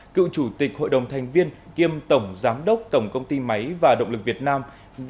cựu chủ tịch hội đồng thành viên kiêm tổng giám đốc tổng công ty máy và động lực việt nam